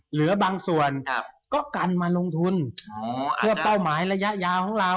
เหลือบางส่วนก็กันมาลงทุนทั่วเป้าหมายระยะยาวของเรา